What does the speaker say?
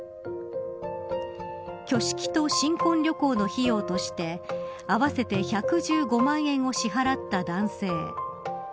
挙式と新婚旅行の費用として合わせて１１５万円を支払った男性。